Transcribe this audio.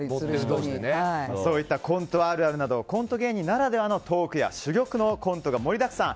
そういったコントあるあるなどコント芸人ならではのトークや珠玉の芸が盛りだくさん